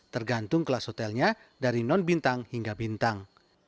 tergantung kelas hotelnya dari non bintang hingga bintang